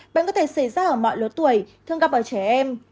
bệnh có thể xảy ra ở mọi lứa tuổi thường gặp ở trẻ em